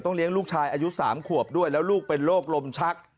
เลี้ยงลูกชายอายุ๓ขวบด้วยแล้วลูกเป็นโรคลมชัก